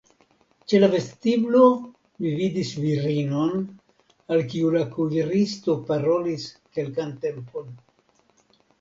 Ĉe la vestiblo mi vidis virinon, al kiu la kuiristo parolis kelkan tempon.